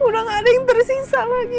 udah gak ada yang tersisa lagi